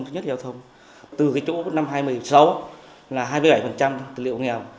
thứ nhất giao thông từ cái chỗ năm hai nghìn một mươi sáu là hai mươi bảy liệu nghèo